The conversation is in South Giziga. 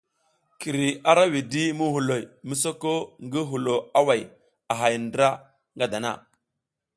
Kiri ara widi muhuloy mi soka ngi hulo away a hay ndra nga dana.